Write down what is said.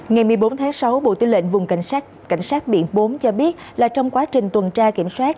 ngày một mươi bốn tháng sáu bộ tư lệnh vùng cảnh sát cảnh sát biển bốn cho biết là trong quá trình tuần tra kiểm soát